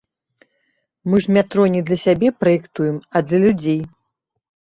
Мы ж метро не для сябе праектуем, а для людзей.